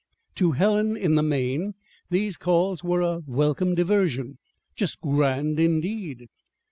To Helen, in the main, these calls were a welcome diversion "just grand," indeed.